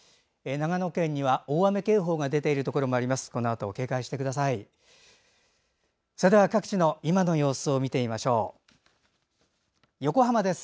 長野県には大雨警報が出ているところもあります。